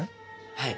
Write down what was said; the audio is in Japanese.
はい。